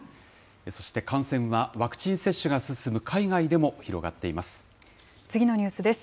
そして、感染はワクチン接種が進む海外でも広がっています。